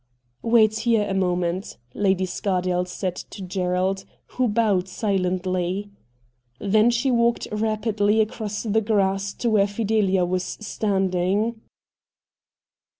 'Wait here a moment,' Lady Scardale said to Gerald, who bowed silently. Then she walked rapidly across the grass to where Fidelia was standing.